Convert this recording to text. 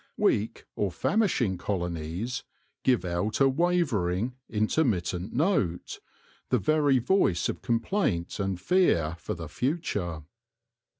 Weak or famishing colonies give out a wavering, intermit tent note, the very voice of complaint and fear for the future.